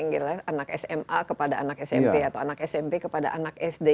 yang jelas anak sma kepada anak smp atau anak smp kepada anak sd